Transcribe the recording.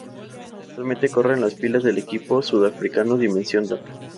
Actualmente corre en las filas del equipo sudafricano Dimension Data.